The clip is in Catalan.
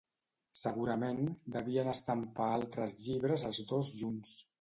Segurament devien estampar altres llibres els dos junts.